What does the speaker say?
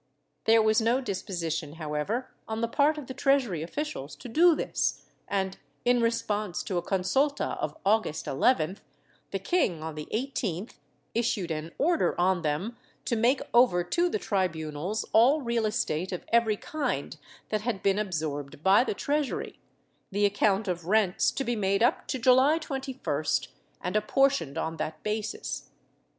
There was no disposition, however, on the part of the treasury officials to do this and, in response to a con sulta of August 11th, the king, on the 18th, issued an order on them to make over to the tribunals all real estate of every kind that had been absorbed by the treasury, the account of rents to be made up to July 21st and apportioned on that basis.